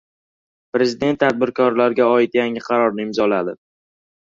Prezident tadbirkorlarga oid yangi qarorni imzoladi